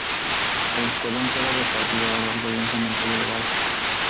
El escuadrón queda repartido a lo largo de un cementerio de barcos.